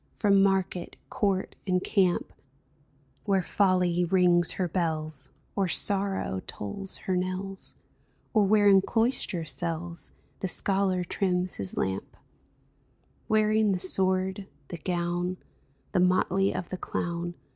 From market, court, and camp, Where folly rings her bells. 302 A DREAM OF SONGS UNSUNG Or sorrow tolls her knells, Or where in cloister cells The scholar trims his lamp — Wearing the sword, the gown, The motley of the clown.